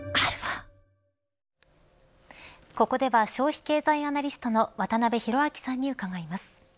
ここでは消費経済アナリストの渡辺広明さんに伺います。